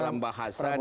dalam bahasa jokowi